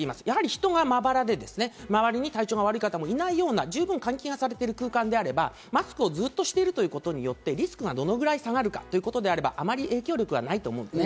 人がまばらで周りに体調が悪い方もいないような十分換気がされてる空間であれば、マスクをずっとしているということによってリスクがどのぐらい下がるかということであれば、あまり影響力はないと思います。